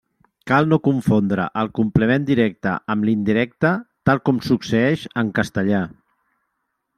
Cal no confondre el complement directe amb l'indirecte, tal com succeeix en castellà.